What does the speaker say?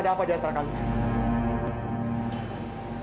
ada apa di antara kalian